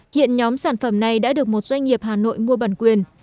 hiện nhóm sản phẩm này đã được một doanh nghiệp hà nội mua bản quyền